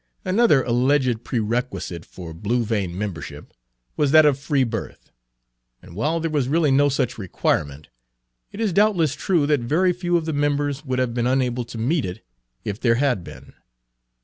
Another alleged prerequisite for Blue Vein membership was that of free birth; and while there was really no such requirement, it Page 3 is doubtless true that very few of the members would have been unable to meet it if there had been.